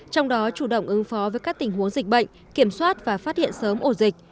trong đó chủ động ứng phó với các tình huống dịch bệnh kiểm soát và phát hiện sớm ổ dịch